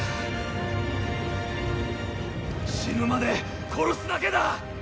死ぬまで殺すだけだ！